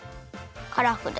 カラフル。